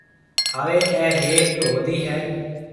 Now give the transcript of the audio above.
هاوَي اَي هيڪ هودَي هيَ۔